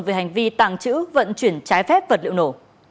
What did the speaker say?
về hành vi tàng trữ vận chuyển trái phép vật liệu nổ